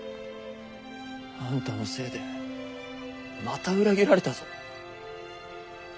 あんたのせいでまた裏切られたぞ。